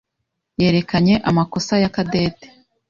yerekanye amakosa ya Cadette.